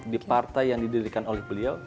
di partai yang didirikan oleh beliau